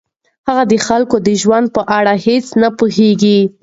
هغه د خلکو د ژوند په اړه هیڅ نه پوهیږي.